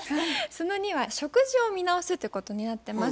その２は食事を見直すってことになってます。